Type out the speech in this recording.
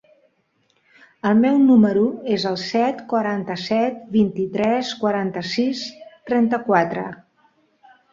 El meu número es el set, quaranta-set, vint-i-tres, quaranta-sis, trenta-quatre.